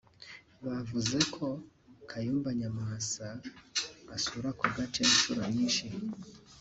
Bavuze ko Kayumba Nyamwasa asura ako gace inshuro nyinshi